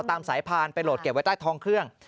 ตามสายพานไปโหลดเก็บไว้ใต้ท้องเครื่อง